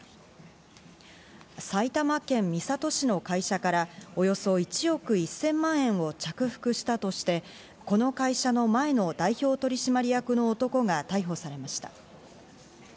埼玉県三郷市の会社からおよそ１億１０００万円を着服したとして、この会社の前の代表取締役の男が逮捕されました。